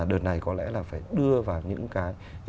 đợt này có lẽ là phải đưa vào những cái